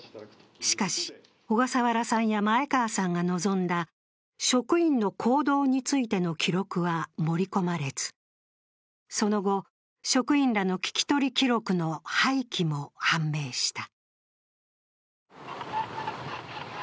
しかし、小笠原さんや前川さんが望んだ職員の行動についての記録は盛り込まれず、その後、職員らの聞き取り記録の廃棄も判明した。